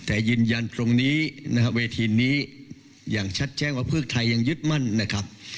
แต่ยืนยันตรงนี้นะครับเวทีนี้อย่างชัดแจ้งว่าเพื่อไทยยังยึดมั่นนะครับ